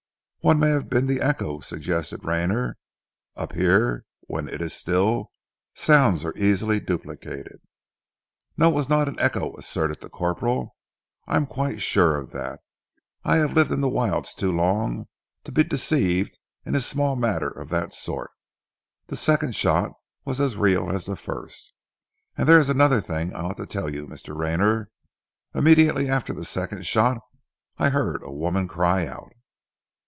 "One may have been the echo," suggested Rayner. "Up here when it is still, sounds are easily duplicated." "No, it was not an echo," asserted the corporal. "I am quite sure of that. I have lived in the wilds too long to be deceived in a small matter of that sort. The second shot was as real as the first. And there is another thing I ought to tell you, Mr. Raynor. Immediately after the second shot I heard a woman cry out."